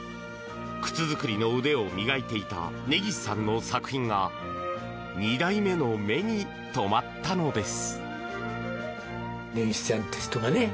靴作りの腕を磨いていた根岸さんの作品が２代目の目に留まったのです。